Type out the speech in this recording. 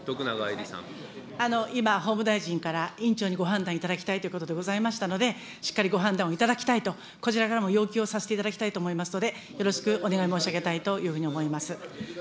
今、法務大臣から委員長にご判断いただきたいということでございましたので、しっかりご判断をいただきたいと、こちらからも要求をさせていただきたいと思いますので、よろしくお願い申し上げたいというふうに思います。